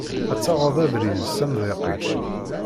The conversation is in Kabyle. Ad taɣeḍ abrid s amḍiq-ik.